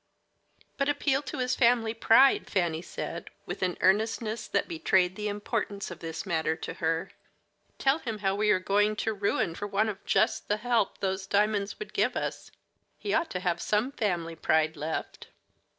"But appeal to his family pride," Fanny said, with an earnestness that betrayed the importance of this matter to her. "Tell him how we are going to ruin for want of just the help those diamonds would give us. He ought to have some family pride left."